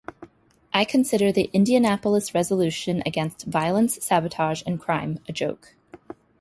I consider the Indianapolis resolution against violence, sabotage, and crime a joke.